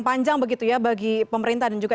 panjang begitu ya bagi pemerintah dan juga